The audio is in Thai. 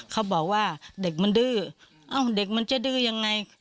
เขาบอกว่าเด็กมันดื้อเอ้าเด็กมันจะดื้อยังไง